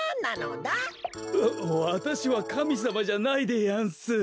わたしはかみさまじゃないでやんす。